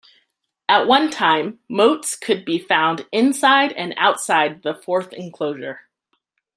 At one time, moats could be found inside and outside the fourth enclosure.